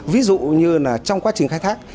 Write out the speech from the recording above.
ví dụ như trong quá trình khai thác